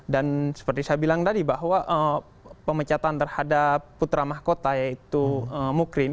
dan seperti saya bilang tadi bahwa pemecatan terhadap putra mahkota yaitu mugrin